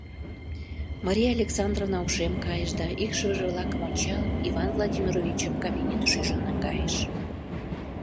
Мария Александровна ошем кайыш да, икшывыже-влакым ончалын, Иван Владимировичым кабинетыш ӱжын наҥгайыш.